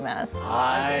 はい。